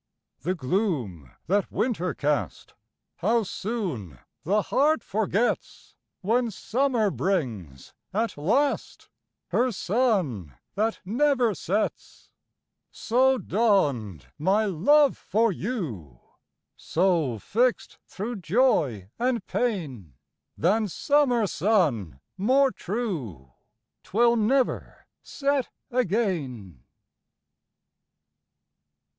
The gloom that winter cast, How soon the heart forgets, When summer brings, at last, Her sun that never sets! So dawned my love for you; So, fixt thro' joy and pain, Than summer sun more true, 'Twill never set again.